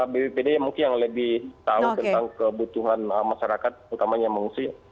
bppd mungkin yang lebih tahu tentang kebutuhan masyarakat utamanya mengungsi